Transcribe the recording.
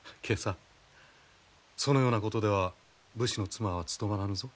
そのようなことでは武士の妻はつとまらぬぞ。